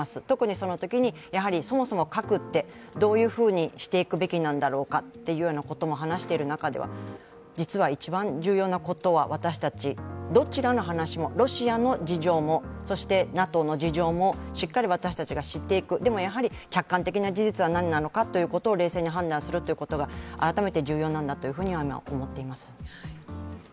特にそのときにそもそも核ってどういうふうにしていくべきなんだろうかということを話している中では実は一番重要なことは私たち、どちらの話も、ロシアの事情もＮＡＴＯの事情もしっかり私たちが知っていくでもやはり客観的な事実は何なのかを冷静に判断することが改めて重要なんだと思っています。